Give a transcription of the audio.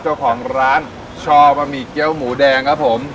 เจ้าของร้านช่อบะหมี่เกี้ยวหมูแดงครับผม